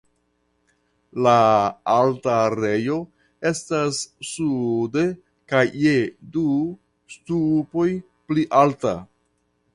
La altarejo estas sude kaj je du ŝtupoj pli alta.